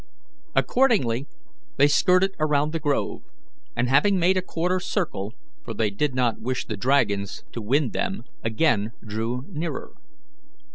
Accordingly, they skirted around the grove, and having made a quarter circle for they did not wish the dragons to wind them again drew nearer.